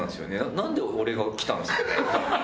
何で俺が来たんですかね？